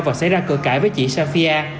và xảy ra cửa cãi với chị safia